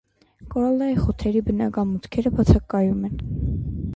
Կորալային խութերի բնական մուտքերը բացակայում են։